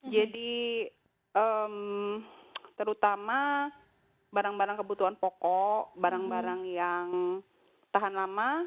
terutama barang barang kebutuhan pokok barang barang yang tahan lama